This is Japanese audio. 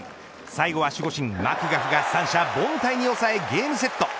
最後は守護神マクガフが三者凡退に抑えゲームセット。